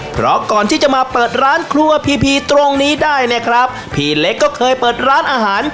เพราะก่อนที่จะมาเปิดร้านครัวพีพีตรงนี้ได้เนี่ยครับพี่เล็กก็เคยเปิดร้านอาหาร